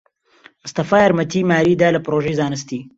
مستەفا یارمەتیی ماریی دا لە پرۆژەی زانستی.